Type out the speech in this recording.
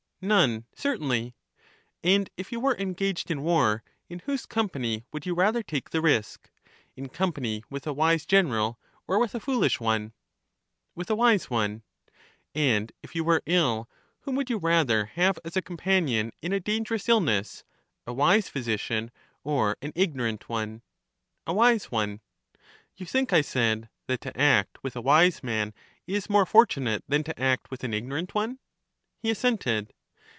None, certainly. And if you were engaged in war, in whose company would you rather take the risk — in company with a wise general, or with a foolish one ? With a wise one. And if you were ill, whom would you rather have as a companion in a dangerous iflness — a wise physi cian, or an ignorant one? A wise one. You think, I said, that to act with a wise man is more fortunate than to act with an ignorant one? He assented.